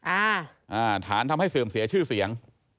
อ่าอ่าฐานทำให้เสื่อมเสียชื่อเสียง